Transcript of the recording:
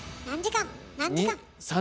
何時間？